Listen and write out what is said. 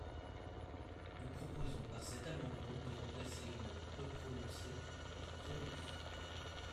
Nous proposons par cet amendement de remplacer les mots « peut prononcer » par « prononce ».